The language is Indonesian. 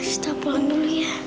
sita pulang dulu ya